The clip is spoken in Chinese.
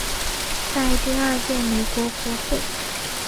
在第二届美国国会。